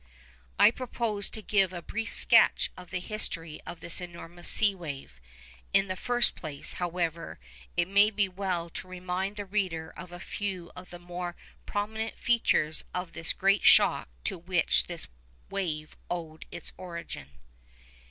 I propose to give a brief sketch of the history of this enormous sea wave. In the first place, however, it may be well to remind the reader of a few of the more prominent features of the great shock to which this wave owed its origin.